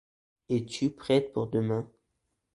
Es-tu prête pour demain ?